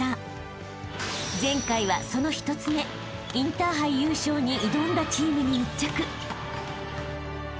［前回はその１つ目インターハイ優勝に挑んだチームに密着］